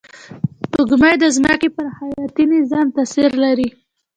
سپوږمۍ د ځمکې پر حیاتي نظام تأثیر لري